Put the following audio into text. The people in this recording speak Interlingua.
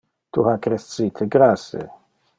Tu ha crescite grasse.